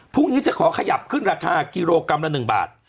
พรุ่งนี้จะขอขยับขึ้นราคากิโลกรัมละ๑บาท